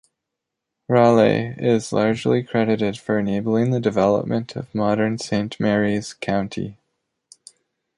Raley is largely credited for enabling the development of modern Saint Mary's County.